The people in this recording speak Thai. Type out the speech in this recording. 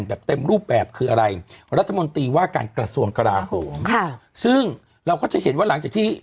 แทบหยุดปฏิบัติหน้าที่